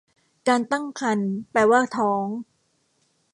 การตั้งครรภ์แปลว่าท้อง